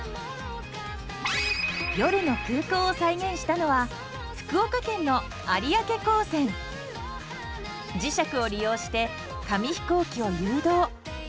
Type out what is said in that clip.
夜の空港を再現したのは福岡県の磁石を利用して紙飛行機を誘導。